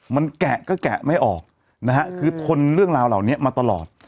มันแกะก็แกะไม่ออกนะฮะคือทนเรื่องราวเหล่านี้มาตลอด